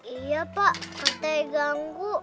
iya pak katanya ganggu